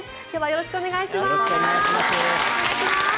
よろしくお願いします。